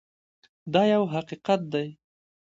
دا یو حقیقت دی.